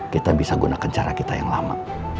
kita bisa gunakan cara kita yang lama